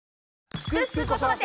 「すくすく子育て」！